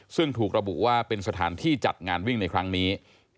ซึ่งถูกระบุว่าเป็นสถานที่จัดงานวิ่งในครั้งนี้